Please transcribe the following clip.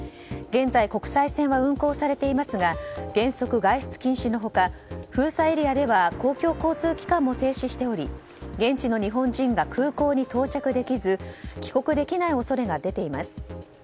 現在、国際線は運航されていますが原則外出禁止の他封鎖エリアでは公共交通機関も停止しており現地の日本人が空港に到着できず帰国できない恐れが出ています。